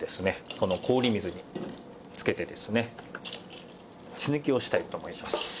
この氷水につけてですね血抜きをしたいと思います。